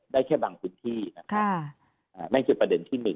ได้แค่บางพื้นที่มันคือประเด็นที่๑